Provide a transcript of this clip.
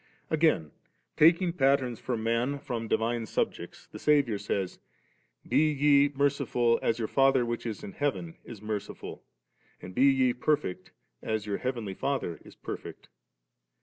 Again, taking patterns for man from divine subjects, the Saviour says ;* Be ye mer ciful, as your Father which is in heaven is merciful *;' and, * Be ye perfect, as your hea venly Father is perfect*.